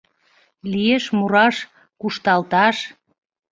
Лиеш мураш, кушталташ